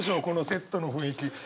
このセットの雰囲気。